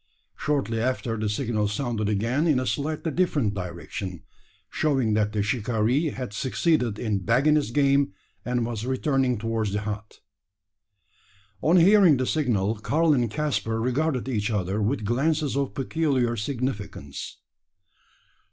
Shortly after the signal sounded again in a slightly different direction showing that the shikaree had succeeded in bagging his game, and was returning towards the hut. On hearing the signal, Karl and Caspar regarded each other with glances of peculiar significance.